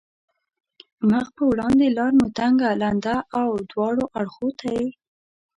مخ په وړاندې لار مو تنګه، لنده او دواړو اړخو ته یې.